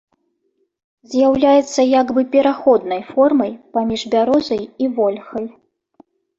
З'яўляецца як бы пераходнай формай паміж бярозай і вольхай.